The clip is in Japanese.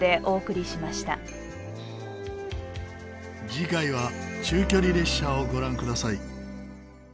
次回は中距離列車をご覧ください。